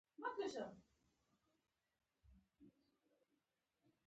دا مسایل د مبارزې د منځنیو پړاوونو لپاره ډیر مناسب دي.